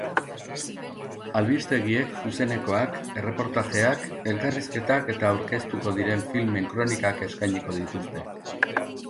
Albistegiek zuzenekoak, erreportajeak, elkarrizketak eta aurkeztuko diren filmen kronikak eskainiko dituzte.